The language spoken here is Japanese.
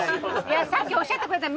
さっきおっしゃってくれた。